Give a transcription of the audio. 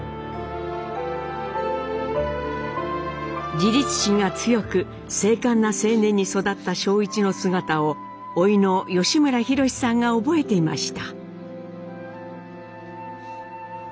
自立心が強く精かんな青年に育った正一の姿をおいの吉村弘さんが覚えていました。